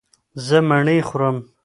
زه مڼې خورم